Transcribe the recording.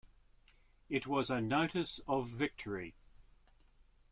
It was a notice of victory.